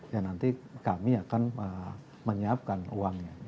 ya nanti kami akan menyiapkan uangnya